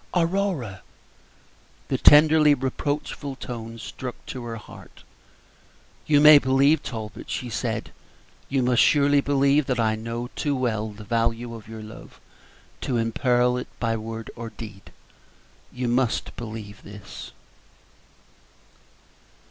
"Aurora!" The tenderly reproachful tone struck her to the heart. "You may believe, Talbot," she said, "you must surely believe that I know too well the value of your love to imperil it by word or deed you must believe this."